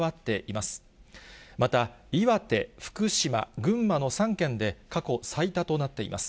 また、岩手、福島、群馬の３県で過去最多となっています。